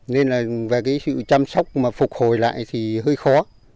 nên là về cái sự chăm sóc mà phục hồi lại thì hơi khó